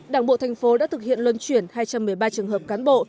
đảng bộ thành phố đã thực hiện luân chuyển hai trăm một mươi ba trường hợp cán bộ